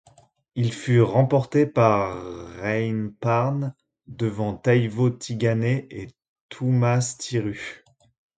Il fut remporté par Rain Pärn devant Taivo Tigane et Toomas Tiru.